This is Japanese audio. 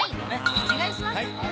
お願いします。